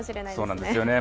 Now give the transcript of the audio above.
そうなんですよね。